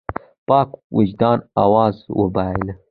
پاک وجدان آواز وباله.